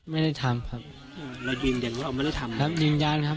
ไม่ได้ทำครับเรายืนยันว่าเราไม่ได้ทำครับยืนยันครับ